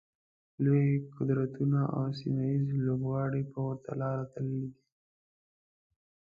لوی قدرتونه او سیمه ییز لوبغاړي ورته لاره تللي دي.